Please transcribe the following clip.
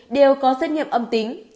đều có xét nghiệm âm tính